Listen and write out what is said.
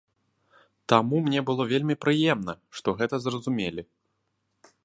Таму мне было вельмі прыемна, што гэта зразумелі.